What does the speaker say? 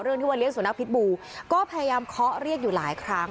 เรื่องที่วันเรียกสู่นักพิษบูรณ์ก็พยายามเคาะเรียกอยู่หลายครั้ง